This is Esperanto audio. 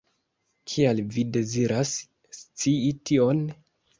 Kial vi deziras scii tion?